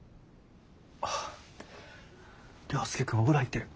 あっ涼介くんお風呂入ってる。